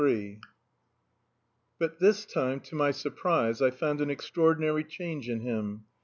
III But this time to my surprise I found an extraordinary change in him.